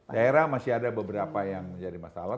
daerah masih ada beberapa yang menjadi masalah